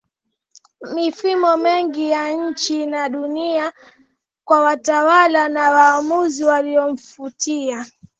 mifumo mingi ya nje na ndani kwa watawala na waamuzi waliomfuatia